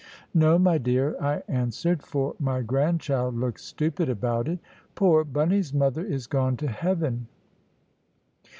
"No, my dear," I answered, for my grandchild looked stupid about it; "poor Bunny's mother is gone to heaven."